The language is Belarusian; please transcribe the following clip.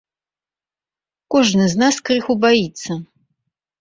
Кожны з нас крыху баіцца.